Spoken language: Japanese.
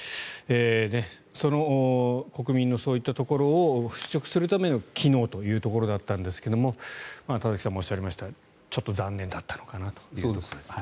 その国民のそういったところを払しょくするための昨日というところだったんですが田崎さんもおっしゃりましたがちょっと残念だったのかなと。